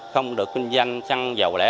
không được kinh doanh săn